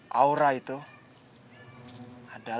hai dan kemungkinan besar